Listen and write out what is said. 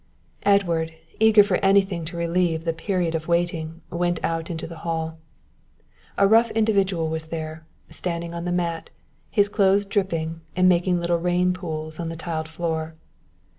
Edward, eager for anything to relieve the period of waiting, went out into the hall. A rough individual was there, standing on the mat, his clothes dripping and making little rain pools on the tiled floor.